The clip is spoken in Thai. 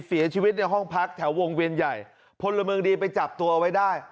เสียชีวิตในห้องพักแถววงเวียนใหญ่พลเมืองดีไปจับตัวเอาไว้ได้